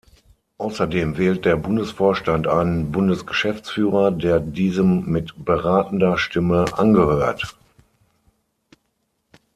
Außerdem wählt der Bundesvorstand einen Bundesgeschäftsführer, der diesem mit beratender Stimme angehört.